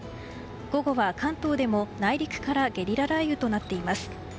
午後は関東でも内陸からゲリラ雷雨となっています。